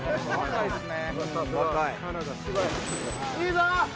いいぞ！